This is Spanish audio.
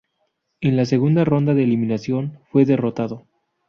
En la segunda ronda de eliminación, fue derrotado.